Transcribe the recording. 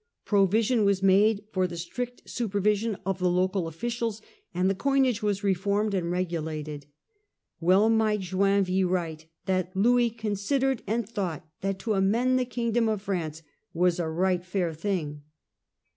Provision was made for the strict supervision of the local officials, and the coinage was reformed and regulated. Well might Join ville write that Louis "considered and thought that to amend the kingdom of France was a right fair thing."